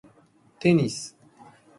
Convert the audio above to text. テニス